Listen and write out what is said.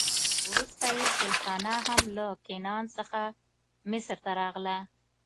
وروسته یې خېلخانه هم له کنعان څخه مصر ته راغله.